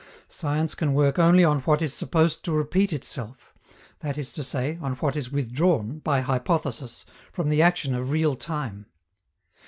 Science can work only on what is supposed to repeat itself that is to say, on what is withdrawn, by hypothesis, from the action of real time.